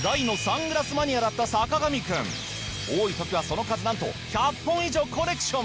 多い時はその数なんと１００本以上コレクション！